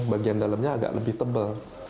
bagian dalamnya agak lebih tebal